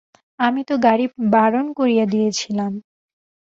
আমি তো গাড়ি বারণ করিয়া দিয়াছিলাম।